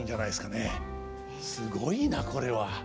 すごいなこれは！